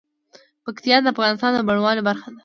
پکتیا د افغانستان د بڼوالۍ برخه ده.